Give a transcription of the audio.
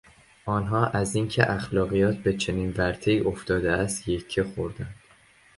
آنها از این که اخلاقیات به چنین ورطهای افتاده است یکه خوردند.